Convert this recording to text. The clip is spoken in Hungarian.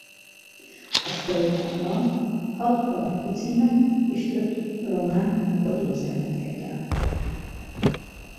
A Steauaval hat bajnoki címet és öt román kupa-győzelmet ért el.